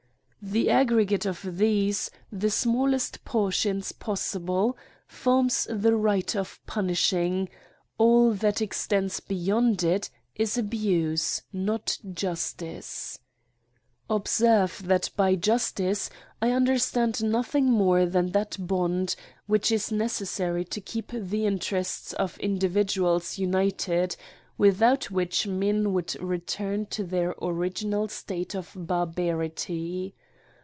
The aggregate of these, the smallest portions possible, forms the right of punishing; all that extends beyond this, is abuse, not justice. Observe that by justice I understand nothing more than that bond which is necess^iry to keep eHIMES^AND PUNISHMENTS. 19 the interest of individuals united, without which men would return to their original state of bar barity.